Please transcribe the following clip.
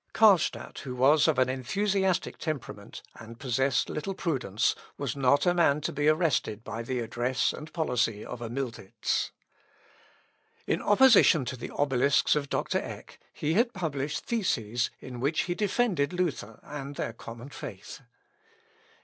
Carlstadt, who was of an enthusiastic temperament, and possessed little prudence, was not a man to be arrested by the address and policy of a Miltitz. In opposition to the Obelisks of Dr. Eck, he had published theses in which he defended Luther and their common faith.